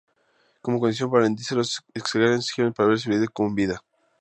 Como condición para rendirse, los caxcanes exigieron ver a su líder con vida.